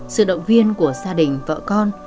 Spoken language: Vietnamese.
sự động viên của gia đình vợ con